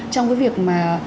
trong cái việc mà